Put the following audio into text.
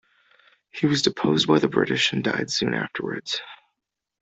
He was deposed by the British and died soon afterwards.